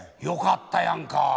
よかったやんか。